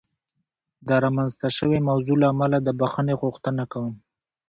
د رامنځته شوې موضوع له امله د بخښنې غوښتنه کوم.